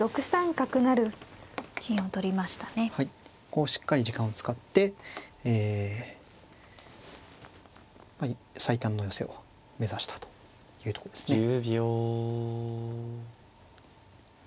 ここをしっかり時間を使ってえ最短の寄せを目指したというとこですね。